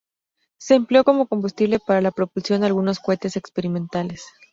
Se empleó como combustible para la propulsión de algunos cohetes experimentales.